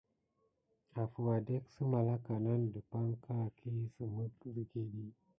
Afuw adek sə malaka nan depanka, akisəmek zəget.